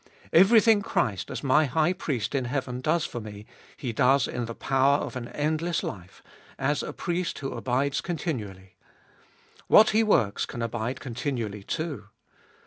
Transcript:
Everything Christ as my High Priest in heaven does for me He does in the power of an endless life, as a Priest who abides continually ; what He works can abide continually too.